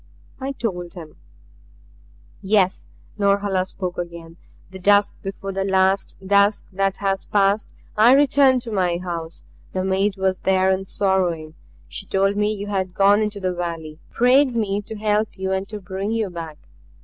I told him. "Yes." Norhala spoke again. "The dusk before the last dusk that has passed I returned to my house. The maid was there and sorrowing. She told me you had gone into the valley, prayed me to help you and to bring you back.